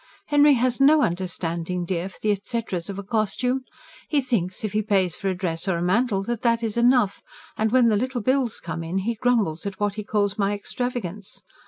"Henry has no understanding, dear, for the etceteras of a costume. He thinks, if he pays for a dress or a mantle, that that is enough; and when the LITTLE bills come in, he grumbles at what he calls my extravagance.